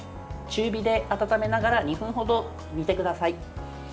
中火で温めながら２分ほど煮てください。